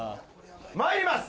まいります。